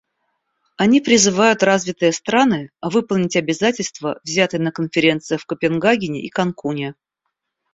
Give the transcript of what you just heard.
Они призывают развитые страны выполнить обязательства, взятые на конференциях в Копенгагене и Канкуне.